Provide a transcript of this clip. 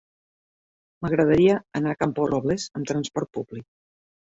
M'agradaria anar a Camporrobles amb transport públic.